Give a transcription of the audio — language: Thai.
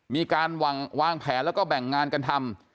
มีการวางแผนแล้วก็แบ่งงานกันทำ